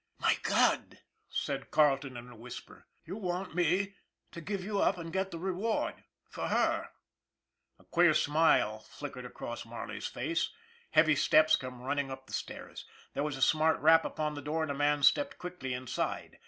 " My God," said Carleton in a whisper, " you want me to give you up and get the reward for her !" A queer smile flickered across Marley's face. Heavy steps came running up the stairs. There was a smart rap upon the door and a man stepped quickly inside.